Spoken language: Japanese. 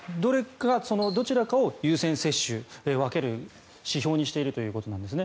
そのどちらかを優先接種分ける指標にしているということなんですね。